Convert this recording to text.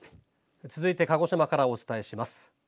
続いて鹿児島からお伝えします。